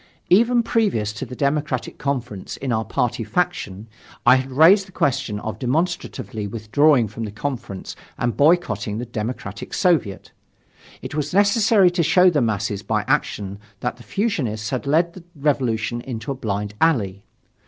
Even previous to the Democratic Conference, in our party faction, I had raised the question of demonstratively withdrawing from the Conference and boycotting the Democratic Soviet. It was necessary to show the masses by action that the fusionists had led the Revolution into a blind alley.